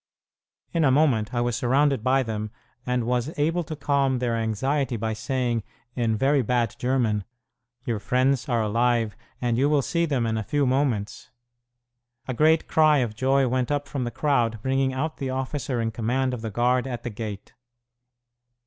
In a moment I was surrounded by them, and was able to calm their anxiety by saying, in very bad German, "Your friends are alive, and you will see them in a few moments." A great cry of joy went up from the crowd, bringing out the officer in command of the guard at the gate.